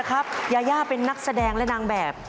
ยาย่าเป็นนักแสดงและนางแบบ